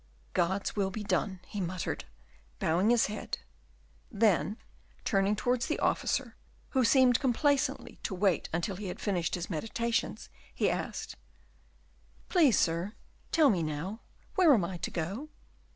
"God's will be done," he muttered, bowing his head; then, turning towards the officer, who seemed complacently to wait until he had finished his meditations he asked, "Please, sir, tell me now, where am I to go?"